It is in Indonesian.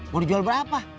mau dijual berapa